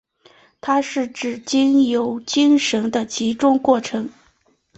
它是指经由精神的集中过程。